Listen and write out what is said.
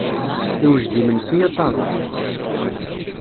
Iwjed yimensi a Taro.